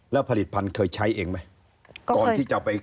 แล้วผลิตภัณฑ์เคยใช้เองไป